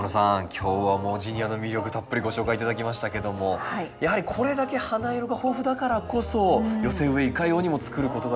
今日はジニアの魅力たっぷりご紹介頂きましたけどもやはりこれだけ花色が豊富だからこそ寄せ植えいかようにも作ることができるんですね。